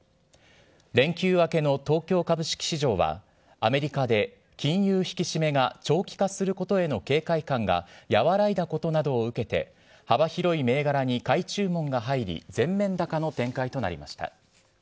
連休明けの東京株式市場は、アメリカで金融引き締めが長期化することへの警戒感が和らいだことなどを受けて、幅広い銘柄に買い注文が入り、全面高の展開となりました。